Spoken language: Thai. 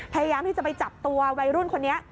พยายามที่จะไปจับตัววัยรุ่นคนนี้